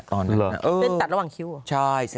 ตอนนั้นนะเออใช่เส้นตัดเส้นตัดระหว่างคิ้วเหรอ